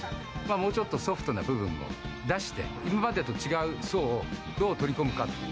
もうちょっとソフトな部分も出して、今までと違う層をどう取り込むかっていう。